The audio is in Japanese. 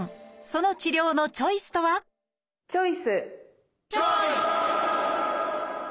その治療のチョイスとはチョイス！